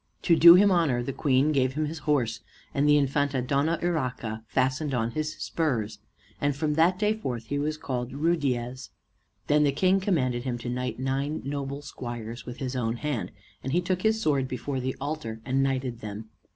To do him honor the Queen gave him his horse, and the Infanta Dona Urraca fastened on his spurs; and from that day forth he was called Ruydiez. Then the King commanded him to knight nine noble squires with his own hand; and he took his sword before the altar, and knighted them.